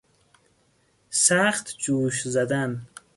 سخت جوش زدن